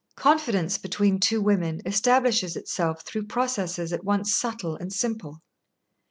Confidence between two women establishes itself through processes at once subtle and simple.